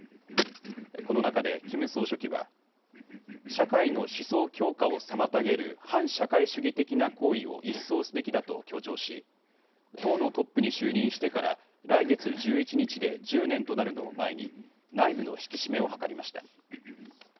この中でキム総書記は社会の思想強化を妨げる反社会主義的な行為を一掃すべきだと強調し党のトップに就任してから来月１１日で１０年となるのを前に内部の引き締めを図りました。